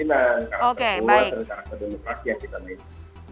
karakter keluar dari karakter demokrasi yang kita mainkan